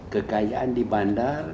kekayaan di bandar